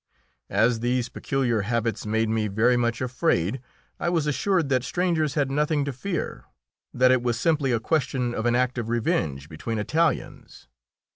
As these peculiar habits made me very much afraid, I was assured that strangers had nothing to fear that it was simply a question of an act of revenge between Italians.